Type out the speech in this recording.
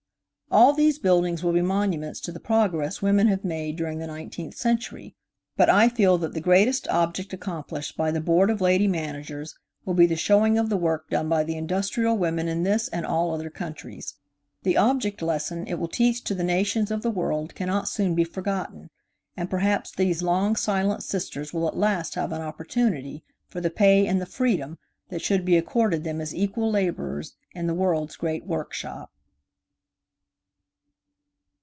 All these buildings will be monuments to the progress women have made during the nineteenth century, but I feel that the greatest object accomplished by the Board of Lady Managers will be the showing of the work done by the industrial women in this and all other countries. The object lesson it will teach to the nations of the world cannot soon be forgotten, and perhaps these long silent sisters will at last have an opportunity for the pay and the freedom that should be accorded them as equal laborers in the world's great workshop.